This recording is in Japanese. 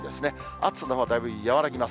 暑さのほうはだいぶ和らぎます。